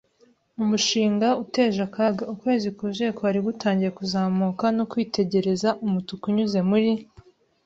umushinga uteje akaga. Ukwezi kuzuye kwari gutangiye kuzamuka no kwitegereza umutuku unyuze muri